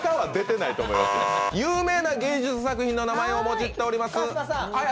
有名な芸術作品の名前をもじっております。